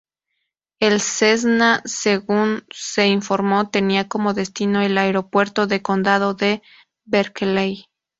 El Cessna según se informó, tenía como destino el Aeropuerto del Condado de Berkeley.